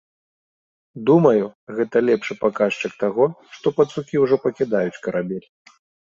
Думаю, гэта лепшы паказчык таго, што пацукі ўжо пакідаюць карабель.